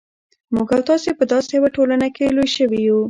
موږ او تاسې په داسې یوه ټولنه کې لوی شوي یو.